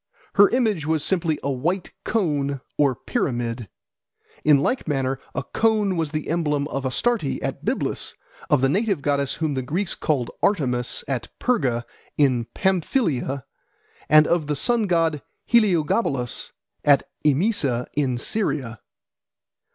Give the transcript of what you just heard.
Her image was simply a white cone or pyramid. In like manner, a cone was the emblem of Astarte at Byblus, of the native goddess whom the Greeks called Artemis at Perga in Pamphylia, and of the sun god Heliogabalus at Emesa in Syria.